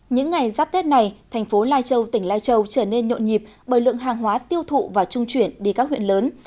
những ngày giáp tết này thành phố lai châu tỉnh lai châu trở nên nhộn nhịp bởi lượng hàng hóa tiêu thụ và trung chuyển đi các huyện lớn